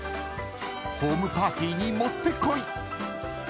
［ホームパーティーにもってこい］